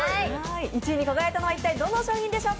１位に輝いたのは一体どの商品でしょうか？